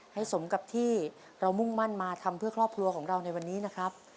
สมกับที่เรามุ่งมั่นมาทำเพื่อครอบครัวของเราในวันนี้นะครับ